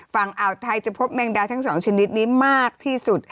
ฝั่งอ่าวไทยจะพบแมงดาทั้ง๒ชนิดนี้มากที่สุด